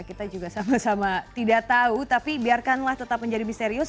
kita juga sama sama tidak tahu tapi biarkanlah tetap menjadi misterius